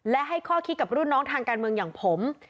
และให้ข้อคิดกับรุ่นน้องทางการเมืองอย่างผม